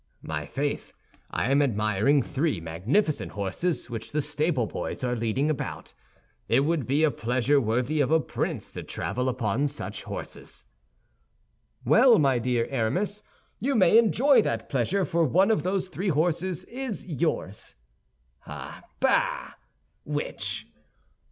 "My faith! I am admiring three magnificent horses which the stable boys are leading about. It would be a pleasure worthy of a prince to travel upon such horses." "Well, my dear Aramis, you may enjoy that pleasure, for one of those three horses is yours." "Ah, bah! Which?"